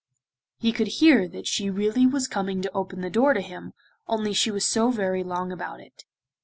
He could hear that she really was coming to open the door to him, only she was so very long about it.